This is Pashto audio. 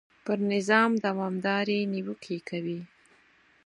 پر نظام دوامدارې نیوکې کوي.